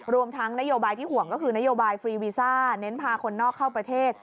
รวมทั้งนโยบายที่ห่วงก็คือนโยบายฟรีวีซ่าเน้นพาคนนอกเข้าประเทศ